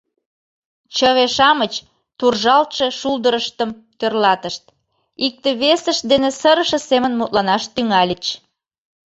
Чыве-шамыч туржалтше шулдырыштым тӧрлатышт, икте- весышт дене сырыше семын мутланаш тӱҥальыч.